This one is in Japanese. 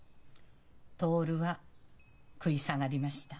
徹は食い下がりました。